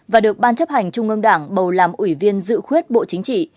và được ban chấp hành trung ương đảng bầu làm ủy viên dự khuyết bộ chính trị